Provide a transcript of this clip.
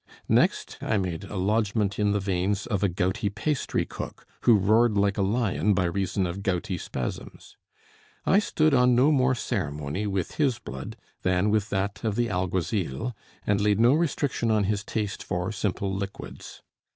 Next I made a lodgment in the veins of a gouty pastry cook, who roared like a lion by reason of gouty spasms. I stood on no more ceremony with his blood than with that of the alguazil, and laid no restriction on his taste for simple liquids.